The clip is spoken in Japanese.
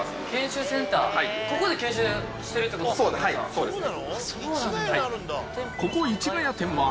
そうですね。